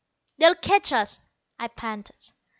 "They'll catch us," I panted.